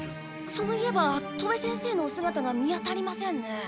そういえば戸部先生のおすがたが見当たりませんね。